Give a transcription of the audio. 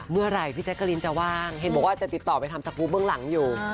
เมื่อไหร่พี่แจ๊กกะลินจะว่างเห็นบอกว่าจะติดต่อไปทำสกรูปเบื้องหลังอยู่